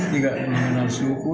tidak mengenal suku